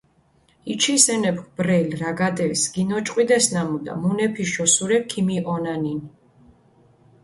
იჩის ენეფქ ბრელი, რაგადეს, გინოჭყვიდეს ნამუდა, მუნეფიში ოსურეფი ქიმიჸონანინი.